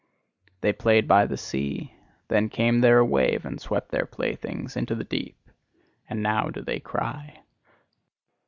They played by the sea then came there a wave and swept their playthings into the deep: and now do they cry.